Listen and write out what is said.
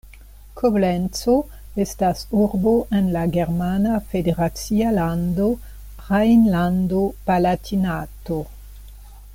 Koblenco estas urbo en la germana federacia lando Rejnlando-Palatinato.